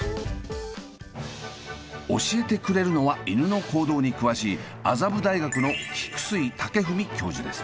教えてくれるのは犬の行動に詳しい麻布大学の菊水健史教授です。